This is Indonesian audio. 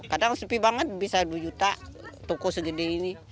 kadang sepi banget bisa rp dua toko segede ini